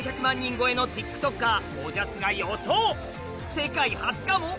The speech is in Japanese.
世界初かも？